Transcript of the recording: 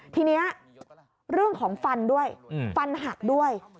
ทีนี้เรื่องของฟันด้วยฟันหักด้วย